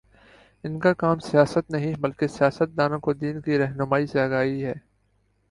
ان کا کام سیاست نہیں، بلکہ سیاست دانوں کو دین کی رہنمائی سے آگاہی ہے